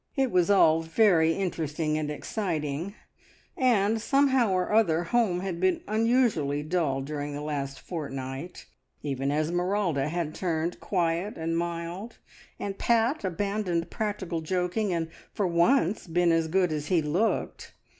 It was all very interesting and exciting, and somehow or other home had been unusually dull during the last fortnight. Even Esmeralda had turned quiet and mild, and Pat abandoned practical joking, and for once been as good as he looked.